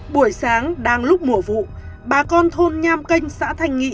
buổi sáng đang lúc mùa vụ bà con thôn nham canh xã thành nghị